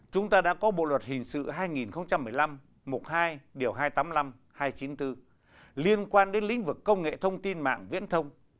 chúng ta đã có bộ luật hình sự hai nghìn một mươi năm mục hai điều hai trăm tám mươi năm hai trăm chín mươi bốn liên quan đến lĩnh vực công nghệ thông tin mạng viễn thông